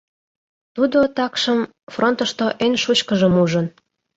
Тудо, такшым, фронтышто эн шучкыжым ужын.